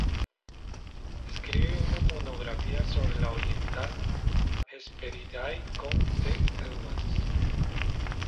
Escribe una monografía sobre la oriental "Hesperiidae" con T. Edwards.